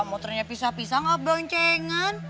motornya pisah pisah gak beroncengan